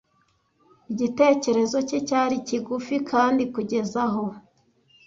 Igitekerezo cye cyari kigufi kandi kugeza aho.